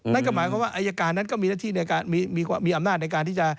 นั่นก็หมายความว่าอายการนั้นก็มีหน้าที่มีอำนาจในการที่จะ